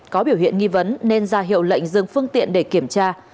có biểu hiện nghi vấn nên ra hiệu lệnh dừng phương tiện để kiểm tra